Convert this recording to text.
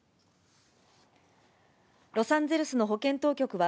ロサンゼルスの保健当局は、